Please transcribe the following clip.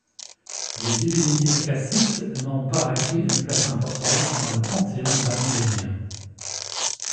Les divinités kassites n'ont pas acquis une place importante dans le panthéon babylonien.